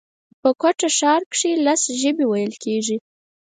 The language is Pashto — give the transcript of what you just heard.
په کوټه ښار کښي لس ژبي ویل کېږي